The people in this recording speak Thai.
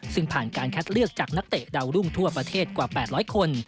ซึ่งผ่านการคัดเลือกจากนักเตะดาวรุ่งทั่วประเทศกว่า๘๐๐คน